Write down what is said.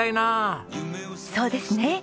そうですね。